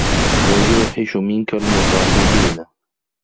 وَيُوحِشُ مِنْك الْمُصَاحِبِينَ